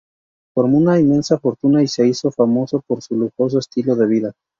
Formó una inmensa fortuna y se hizo famoso por su lujoso estilo de vida.